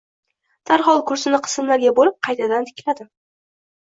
Darhol kursini qismlarga bo`lib, qaytadan tikladim